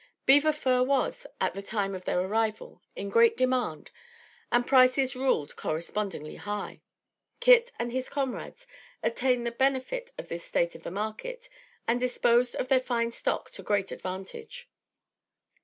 Beaver fur was, at the time of their arrival, in great demand and prices ruled correspondingly high. Kit and his comrades obtained the benefit of this state of the market and disposed of their fine stock to great advantage.